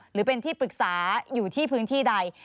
หรือเป็นที่ปรึกษาอยู่ที่พื้นที่ใด